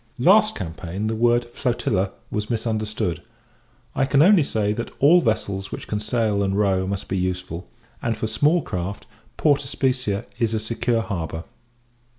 Last campaign, the word flotilla was misunderstood. I can only say, that all vessels which can sail and row must be useful; and, for small craft, Port Especia is a secure harbour.